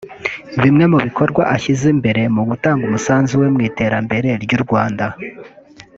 Bimwe mu bikorwa ashyize imbere mu gutanga umusanzu we mu iterambere ry’u Rwanda